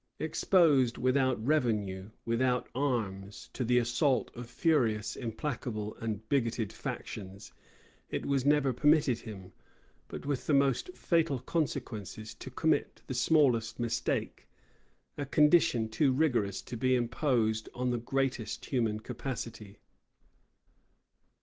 Exposed, without revenue, without arms, to the assault of furious, implacable, and bigoted factions, it was never permitted him, but with the most fatal consequences, to commit the smallest mistake; a condition too rigorous to be imposed on the greatest human capacity.